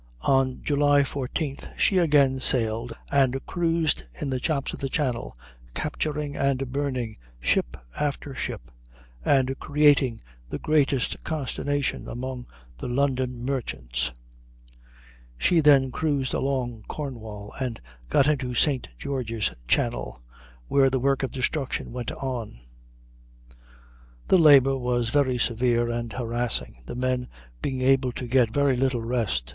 On July 14th she again sailed, and cruised in the chops of the Channel, capturing and burning ship after ship, and creating the greatest consternation among the London merchants; she then cruised along Cornwall and got into St. George's Channel, where the work of destruction went on. The labor was very severe and harassing, the men being able to get very little rest.